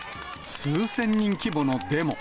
数千人規模のデモ。